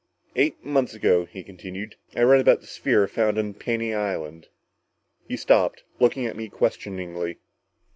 "Eight months ago," he continued, "I read about the sphere found on Paney Island." He stopped, looking at me questioningly.